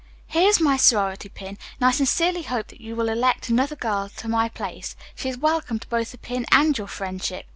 "Here is my sorority pin, and I sincerely hope you will elect another girl to my place. She is welcome to both the pin and your friendship.